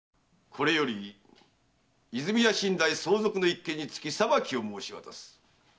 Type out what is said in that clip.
これより和泉屋身代相続の一件につき裁きを申し渡す。